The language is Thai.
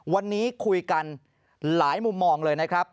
วันนี้คุยกันหลายมุมมองเลยนะครับ